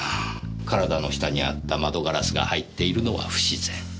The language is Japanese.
体の下にあった窓ガラスが入っているのは不自然。